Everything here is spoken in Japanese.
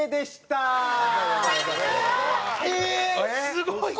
すごい！